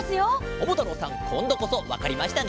ももたろうさんこんどこそわかりましたね？